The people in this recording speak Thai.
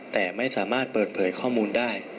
แต่ไม่สามารถเปิดเผยข้อมูลได้